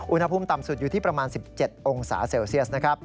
อุณหภูมิต่ำสุดอยู่ที่ประมาณ๑๗องศาเซลเซียสนะครับ